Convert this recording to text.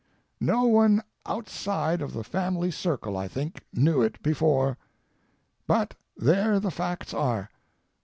No one outside of the family circle, I think, knew it before; but there the facts are.